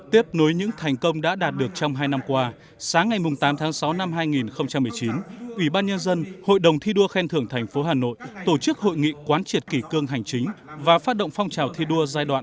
tiếp nối những thành công đã đạt được trong hai năm qua sáng ngày tám tháng sáu năm hai nghìn một mươi chín ubnd hội đồng thi đua khen thưởng thành phố hà nội tổ chức hội nghị quán triệt kỷ cương hành chính và phát động phong trào thi đua giai đoạn hai nghìn một mươi chín hai nghìn hai mươi năm